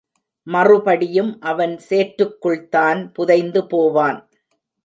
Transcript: மறுபடியும் அவன் சேற்றுக்குள் தான் புதைந்து போவான்.